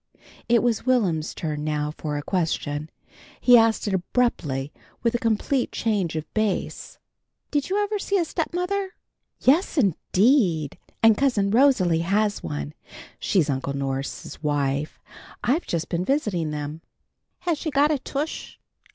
It was Will'm's turn now for a question. He asked it abruptly with a complete change of base. "Did you ever see a stepmother?" "Yes, indeed! And Cousin Rosalie has one. She's Uncle Norse's wife. I've just been visiting them." "Has she got a tush?"